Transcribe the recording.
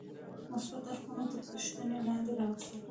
مثبت اړخونه تر پوښتنې لاندې راوستل.